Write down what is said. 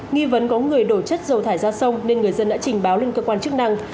nghi vấn có người đổ chất dầu thải ra sông nên người dân đã trình báo lên cơ quan chức năng